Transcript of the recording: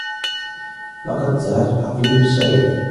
لقد زرعت حقلي بالشعير.